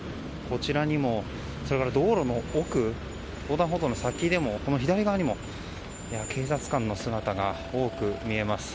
こちらにも道路の奥、横断歩道の先にも左側にも、警察官の姿が多く見えます。